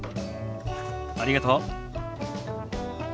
ありがとう。